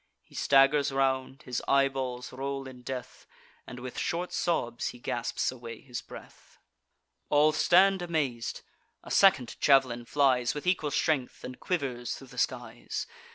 He staggers round; his eyeballs roll in death, And with short sobs he gasps away his breath. All stand amaz'd—a second jav'lin flies With equal strength, and quivers thro' the skies.